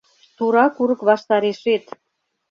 Тура курык ваштарешет